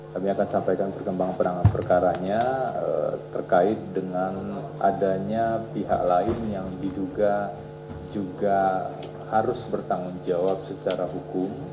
kami akan sampaikan perkembangan penanganan perkaranya terkait dengan adanya pihak lain yang diduga juga harus bertanggung jawab secara hukum